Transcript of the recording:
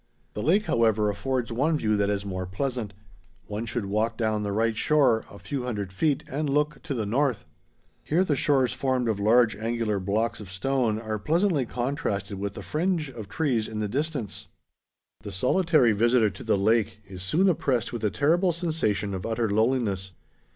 The lake, however, affords one view that is more pleasant. One should walk down the right shore a few hundred feet and look to the north. Here the shores formed of large angular blocks of stone are pleasantly contrasted with the fringe of trees in the distance. [Illustration: Lake Agnes. In early July, 1895.] The solitary visitor to the lake is soon oppressed with a terrible sensation of utter loneliness.